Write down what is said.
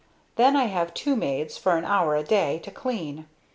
Then I have two maids, for an hour a day, to clean; $.